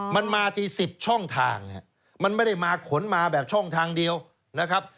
มันมาที่๑๐ช่องทางมันไม่ได้มาขนมาแบบช่องทางเดียวนะครับ